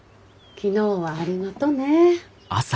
昨日はありがとね。